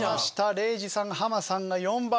レイジさんハマさんが４番。